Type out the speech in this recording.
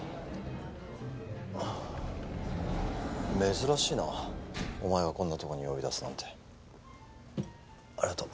珍しいなお前がこんなとこに呼び出すなんてありがとう